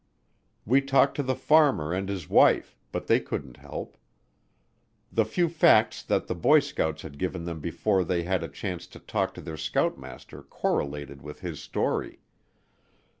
We talked to the farmer and his wife, but they couldn't help. The few facts that the boy scouts had given them before they had a chance to talk to their scoutmaster correlated with his story.